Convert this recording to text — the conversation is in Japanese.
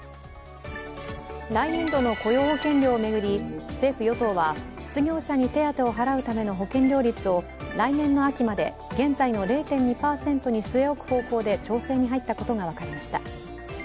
来年度の雇用保険料を巡り、政府・与党は失業者に手当を払うための保険料率を来年の秋まで現在の０．２％に据え置く方向で調整に入ったことが分かりました。